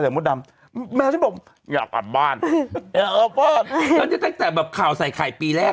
ระหว่างนั้นนับพอดีนี่